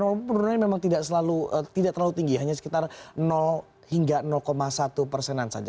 namun penurunan ini memang tidak terlalu tinggi hanya sekitar hingga satu persenan saja